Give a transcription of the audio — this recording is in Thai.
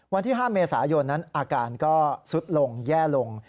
วันที่๕เมษายนนั้นอาการก็สุดลงแย่ลง